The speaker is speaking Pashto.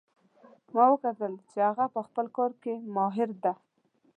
ما وکتل چې هغه په خپل کار کې ماهر ده